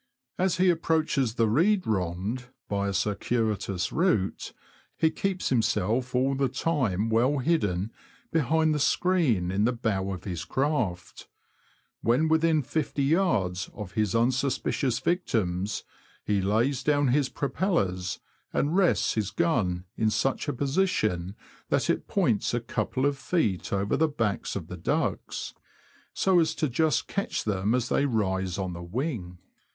As he approaches the reed rond, by a circuitous route, he keeps himself all the time well hidden behind the screen in the bow of his craft. When within 50yds. of his unsuspicious victims, he lays down his propellers, and rests his gun in such a position that it points a couple of feet over the backs of the ducks, so as to just catch them as they rise on the wing.